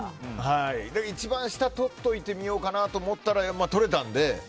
一番下を取っといてみようと思ったら、取れたんで。